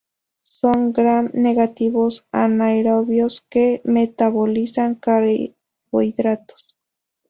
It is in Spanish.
Son Gram negativos anaerobios que metabolizan carbohidratos.